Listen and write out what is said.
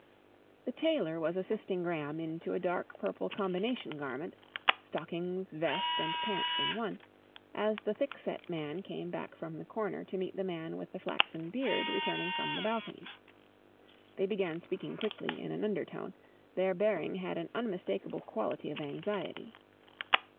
The tailor was assisting Graham into a dark purple combination garment, stockings, vest, and pants in one, as the thickset man came back from the corner to meet the man with the flaxen beard returning from the balcony. They began speaking quickly in an undertone, their bearing had an unmistakable quality of anxiety.